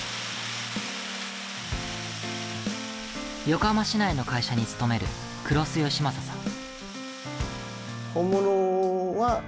横浜市内の会社に勤める黒須由雅さん。